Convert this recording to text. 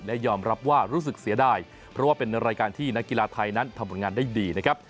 และยอมรับว่ารู้สึกเสียดายเพราะว่าเป็นรายการที่นักกีฬาไทยนั้นทำผลงานได้ดีนะครับ